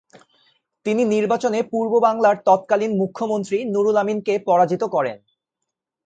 তিনি নির্বাচনে পূর্ব বাংলার তৎকালীন মুখ্যমন্ত্রী নুরুল আমিনকে পরাজিত করেন।